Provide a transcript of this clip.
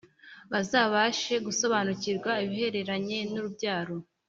bazabashe gusobanukirwa ibihereranye n’Urubyaro